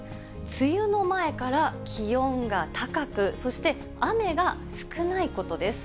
梅雨の前から気温が高く、そして雨が少ないことです。